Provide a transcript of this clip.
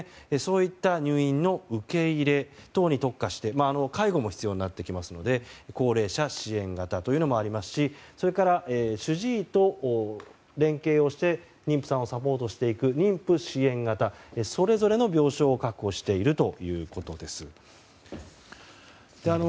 そういった入院の受け入れ等に特化して介護も必要になってきますので高齢者支援型というのもありますし主治医と連携をして妊婦さんをサポートしていく妊婦支援型とそれぞれの病床を確保しているということです。